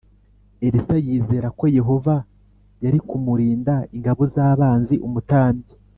Elisa yizeraga ko Yehova yari kumurinda ingabo z abanzi Umutambyi